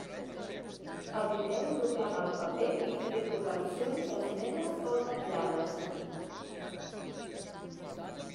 Eviteu doblegar el paper i fer-hi correccions, esmenes o ratllades.